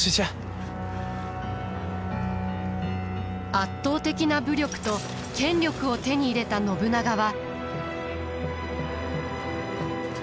圧倒的な武力と権力を手に入れた信長は。